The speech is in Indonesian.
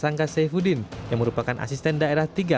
supayaoney punkthus berblekan datang remix satu